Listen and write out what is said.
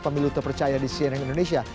pemilu terpercaya di cnn indonesia